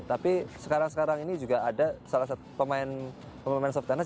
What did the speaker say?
tapi sekarang sekarang ini juga ada salah satu pemain soft tennis